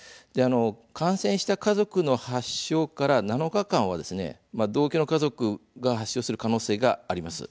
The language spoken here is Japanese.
感染した家族の発症から７日間は同居の家族が発症する可能性があります。